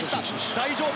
大丈夫。